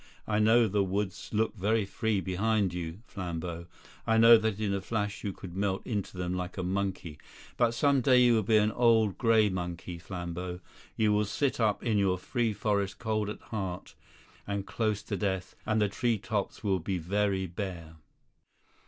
I know the woods look very free behind you, Flambeau; I know that in a flash you could melt into them like a monkey. But some day you will be an old grey monkey, Flambeau. You will sit up in your free forest cold at heart and close to death, and the tree tops will be very bare."